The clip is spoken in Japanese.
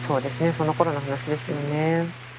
そのころの話ですよね。